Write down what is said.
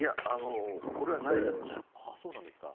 これはないですね。